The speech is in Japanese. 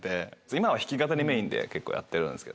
今は弾き語りメインで結構やってるんですけど。